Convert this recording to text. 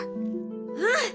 うん！